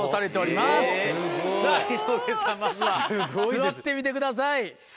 まずは座ってみてください。